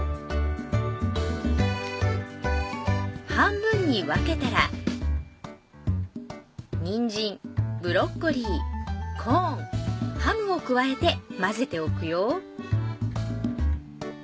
半分に分けたらにんじん・ブロッコリー・コーン・ハムを加えて混ぜておくよ